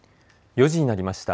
４時になりました。